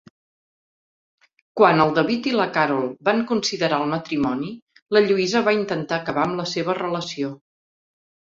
Quan el David i la Carol van considerar el matrimoni, la Lluïsa va intentar acabar amb la seva relació.